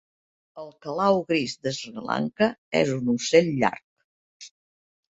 El calau gris de Sri Lanka és un ocell llarg.